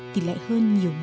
thì lại hơn nhiều nguồn